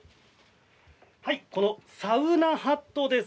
このサウナハットです。